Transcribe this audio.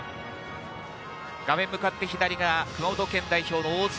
画面向かって左が熊本県代表の大津。